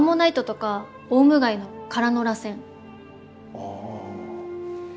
ああ。